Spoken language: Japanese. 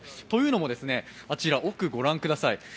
というのも、あちら奥を御覧ください。